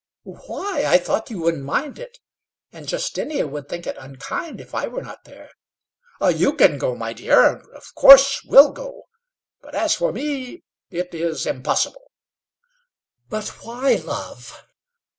"Why? I thought you wouldn't mind it. And Justinia would think it unkind if I were not there." "You can go, my dear, and of course will go. But as for me, it is impossible." "But why, love?"